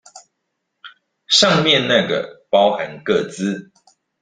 上面那個包含個資